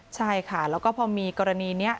ใช่ค่ะแล้วก็พอมีกรณีนี้